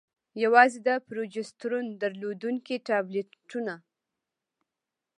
يوازې د پروجسترون درلودونكي ټابليټونه: